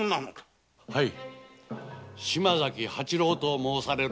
はい。